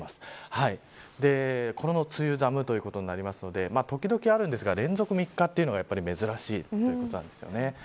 この梅雨寒ということになりますので、時々ありますが連続３日というのはやっぱり珍しいということです。